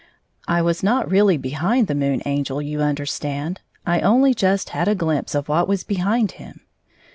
I was not really behind the Moon Angel, you understand, I only just had a glimpse of what was behind him.